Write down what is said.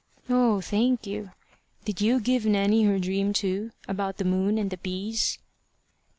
"Oh! thank you. Did you give Nanny her dream too about the moon and the bees?"